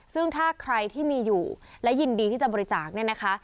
ซึ่งถ้าใครที่มีอยู่และยินดีที่จะบริจาค